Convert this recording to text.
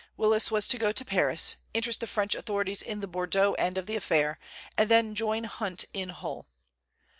Willis was to go to Paris, interest the French authorities in the Bordeaux end of the affair, and then join Hunt in Hull.